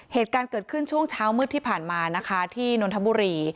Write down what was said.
เหตุการณ์เกิดขึ้นช่วงเช้ามืดที่ผ่านมานะคะที่นนทบุรี